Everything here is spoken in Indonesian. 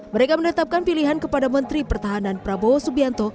mereka menetapkan pilihan kepada menteri pertahanan prabowo subianto